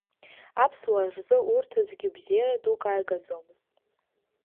Аԥсуаа рзы урҭ аӡәгьы бзиара дук ааигаӡомызт.